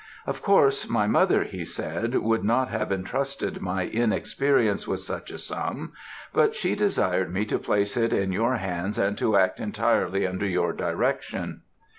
"'Of course, my mother,' he said, 'would not have entrusted my inexperience with such a sum; but she desired me to place it in your hands, and to act entirely under your direction.